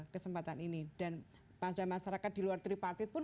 kesempatan ini dan pada masyarakat di luar tripartit pun